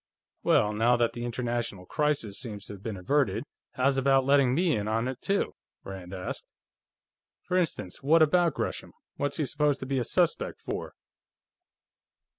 "Well, now that the international crisis seems to have been averted, how's about letting me in on it, too?" Rand asked. "For instance, what about Gresham? What's he supposed to be a suspect for?"